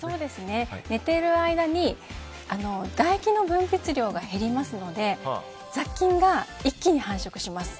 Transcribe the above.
寝ている間に唾液の分泌量が減りますので雑菌が一気に繁殖します。